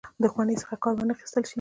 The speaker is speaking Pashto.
دښمنۍ څخه کار وانه خیستل شي.